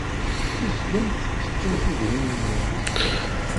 Tezgamt tettettumt idrimen-nwent.